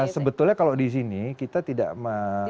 sebetulnya kalau di sini kita tidak